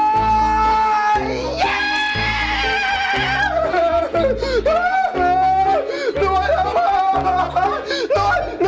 หน่วยหน่วย